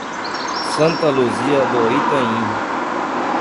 Santa Luzia do Itanhi